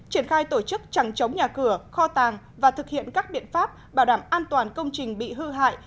triển khai tổ chức chẳng chống nhà cửa kho tàng và thực hiện các biện pháp bảo đảm an toàn công trình bị hư hại